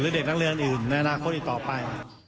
เด็กนักเรียนอื่นในอนาคตอีกต่อไป